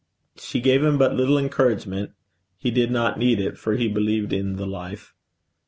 She gave him but little encouragement: he did not need it, for he believed in the Life.